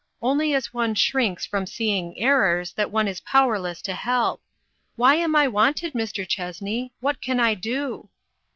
" Only as one shrinks from seeing errors that one is powerless to help. Why am I wanted, Mr. Chessney? What can I do!"